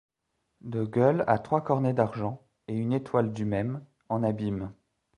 De gueules à trois cornets d'argent, et une étoile du même, en abîme.